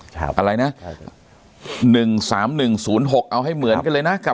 ใช่ครับอะไรนะหนึ่งสามหนึ่งศูนย์หกเอาให้เหมือนกันเลยนะ